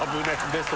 ベスト